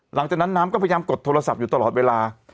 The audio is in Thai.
หลังจากนั้นน้ำก็พยายามกดโทรศัพท์อยู่ตลอดเวลา